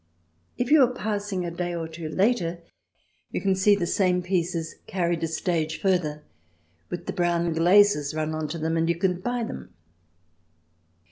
If you are passing a day or two later, you can see the same pieces carried a stage further, with the brown glazes run on to them, and you can buy them.